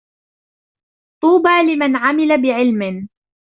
طُوبَى لِمَنْ عَمِلَ بِعِلْمٍ